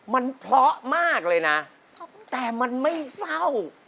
มันเพราะมากเลยนะแต่มันไม่เศร้า